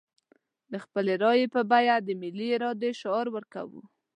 د خپلې رايې په بيه د ملي ارادې شعار ورکوو.